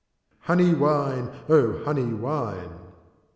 "Honey wine, O honey wine!"